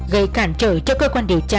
gây cản trở cho cơ quan điều tra